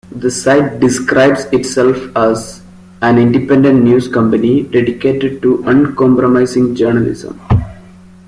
The site describes itself as "an independent news company dedicated to uncompromising journalism".